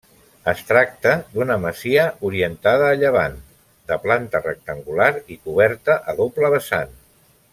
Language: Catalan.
Es tracta d'una masia orientada a llevant, de planta rectangular i coberta a doble vessant.